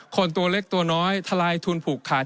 ตัวเล็กตัวน้อยทลายทุนผูกขาด